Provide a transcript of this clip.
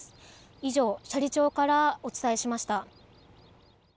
以上、斜里町からお伝えしました。